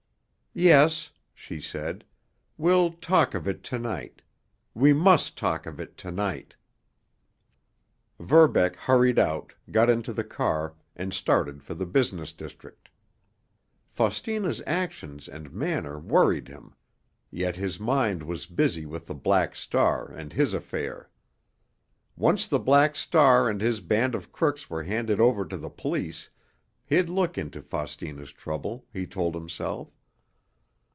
"Yes," she said, "we'll talk of it to night. We must talk of it to night." Verbeck hurried out, got into the car, and started for the business district. Faustina's actions and manner worried him, yet his mind was busy with the Black Star and his affair. Once the Black Star and his band of crooks were handed over to the police he'd look into Faustina's trouble, he told himself.